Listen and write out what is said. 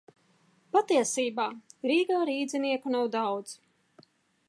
Patiesībā Rīgā rīdzinieku nav daudz